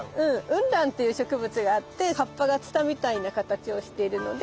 ウンランっていう植物があって葉っぱがツタみたいな形をしているので「ツタバ」。